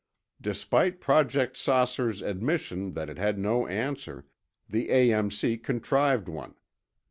Despite Project "Saucer's" admission that it had no answer, the A.M.C. contrived one.